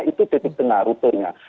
itu titik tengah rutenya